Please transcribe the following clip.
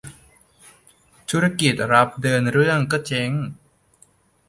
ธุรกิจรับเดินเรื่องก็เจ๊ง